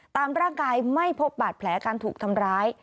ตามร่างกายไม่พบบาดแผลการถูกทำร้าย